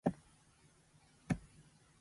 詳しくは概要欄をチェック！